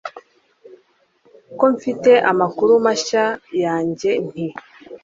ko amfitiye amakuru mashya nanjye nti